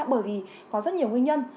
bởi vì có rất nhiều nguyên nhân